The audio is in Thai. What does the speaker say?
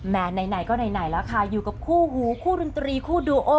ไหนก็ไหนแล้วค่ะอยู่กับคู่หูคู่ดนตรีคู่ดูโอ